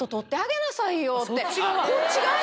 こっち側に。